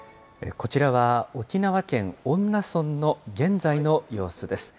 こちらは、沖縄県恩納村の現在の様子です。